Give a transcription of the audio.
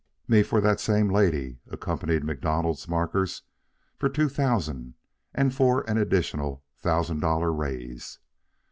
"Me for that same lady," accompanied MacDonald's markers for two thousand and for an additional thousand dollar raise.